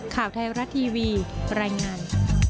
ข่าวไทยรัฐทีวีรายงาน